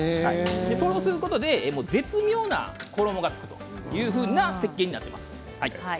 そうすることで絶妙な衣がつくということになっています。